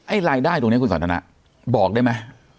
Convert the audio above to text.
ไอ้รายได้ตรงนี้คุณสันธนาบอกได้มั้ย